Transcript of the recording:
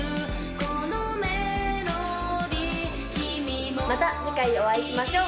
このメロディまた次回お会いしましょう